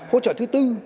hỗ trợ thứ tư